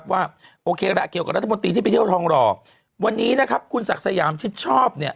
ว่าโอเคละเกี่ยวกับรัฐมนตรีที่ไปเที่ยวทองหล่อวันนี้นะครับคุณศักดิ์สยามชิดชอบเนี่ย